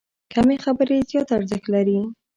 کمې خبرې، زیات ارزښت لري.